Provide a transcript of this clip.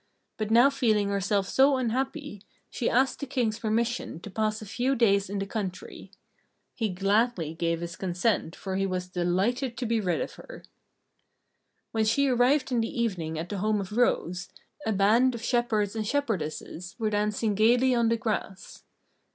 But now feeling herself so unhappy, she asked the King's permission to pass a few days in the country. He gladly gave his consent, for he was delighted to be rid of her. When she arrived in the evening at the home of Rose, a band of shepherds and shepherdesses were dancing gaily on the grass.